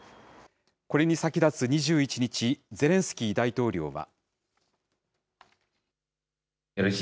これに先立つ２１日、ゼレンスキー大統領は。